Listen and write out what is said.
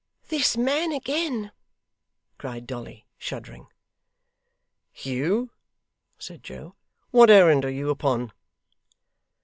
'This man again!' cried Dolly, shuddering. 'Hugh!' said Joe. 'What errand are you upon?